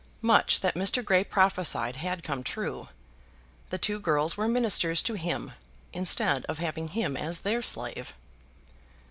Much that Mr. Grey prophesied had come true. The two girls were ministers to him, instead of having him as their slave.